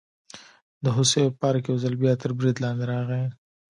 د هوسیو پارک یو ځل بیا تر برید لاندې راغی.